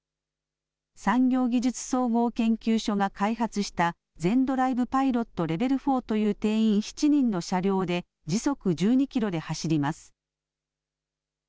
産業技術総合研究所が開発したＺＥＮｄｒｉｖｅＰｉｌｏｔＬｅｖｅｌ４という定員７人の車両で時速１２キロで走ります。